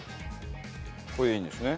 これでいいんですね？